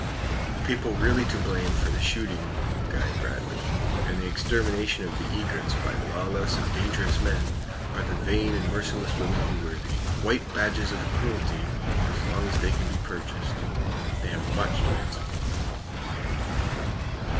The people really to blame for the shooting of Guy Bradley, and the extermination of the egrets by lawless and dangerous men, are the vain and merciless women who wear the "white badges of cruelty" as long as they can be purchased! They have much to answer for!